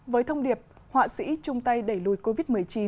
với thông điệp họa sĩ chung tay đẩy lùi covid một mươi chín